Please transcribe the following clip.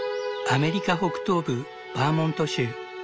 アメリカ北東部バーモント州。